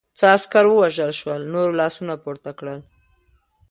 څه عسکر ووژل شول، نورو لاسونه پورته کړل.